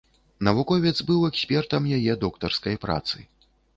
Навуковец быў экспертам яе доктарскай працы.